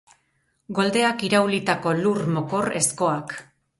Goldeak iraulitako lur-mokor ezkoak.